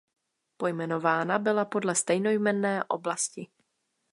Pojmenována byla podle stejnojmenné oblasti.